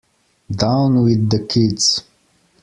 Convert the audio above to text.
Down with the kids